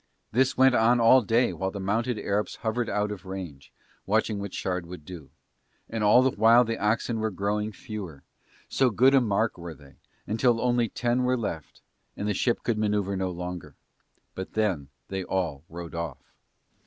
This went on all day while the mounted Arabs hovered out of range watching what Shard would do; and all the while the oxen were growing fewer, so good a mark were they, until only ten were left, and the ship could manoeuvre no longer. But then they all rode off.